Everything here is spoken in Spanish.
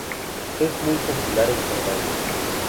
Es muy popular en Jordania.